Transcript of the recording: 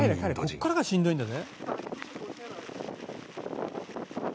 「ここからがしんどいんだぜ」